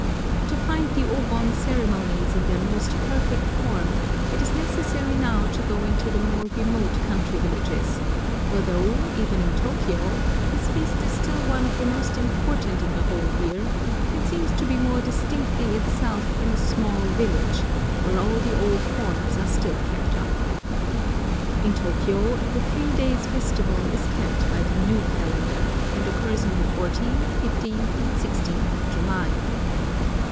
To find the O Bon ceremonies in their most perfect form, it is necessary now to go into the more remote country villages, for though, even in Tōkyō, this feast is still one of the most important in the whole year, it seems to be more distinctly itself in a small village, where all the old forms are still kept up. In Tōkyō, the three days' festival is kept by the new calendar, and occurs on the fourteenth, fifteenth, and sixteenth of July.